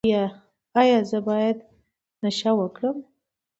ایا زه باید نشه وکړم؟